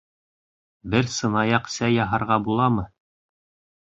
Бер сынаяҡ сәй яһарға буламы